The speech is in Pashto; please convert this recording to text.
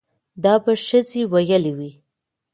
دا به ښځې ويلې وي